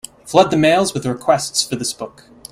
Flood the mails with requests for this book.